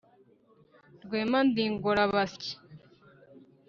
Rwema ndi Ingorabasyi